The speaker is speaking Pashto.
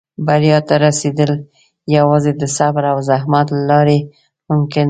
• بریا ته رسېدل یوازې د صبر او زحمت له لارې ممکن دي.